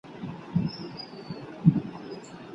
ولي لېواله انسان د مستحق سړي په پرتله موخي ترلاسه کوي؟